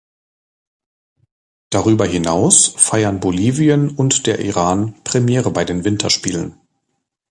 Darüber hinaus feiern Bolivien und der Iran Premiere bei den Winterspielen.